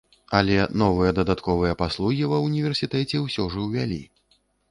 Але новыя дадатковыя паслугі ва ўніверсітэце ўсё ж увялі.